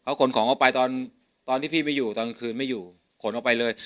เอาขนของออกไปตอนที่พี่ไม่อยู่ตอนกลางคืนไม่อยู่ขนออกไปเลย